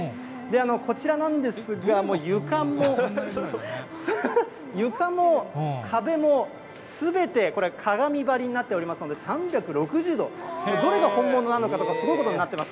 こちらなんですが、もう床も壁もすべてこれ、鏡張りになっておりますので、３６０度、どれが本物なのかとか、すごいことになってます。